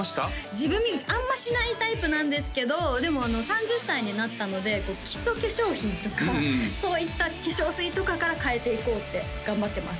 自分磨きあんましないタイプなんですけどでも３０歳になったので基礎化粧品とかそういった化粧水とかから変えていこうって頑張ってます